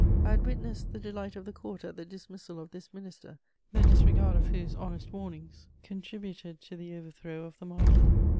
I had witnessed the delight of the Court at the dismissal of this minister, the disregard of whose honest warnings contributed to the overthrow of the monarchy.